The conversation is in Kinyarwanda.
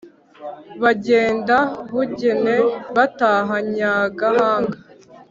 Bagenda Bugene, bataha Nyagahanga :